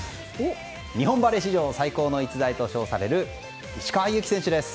日本バレー史上最高の逸材と称される石川祐希選手です。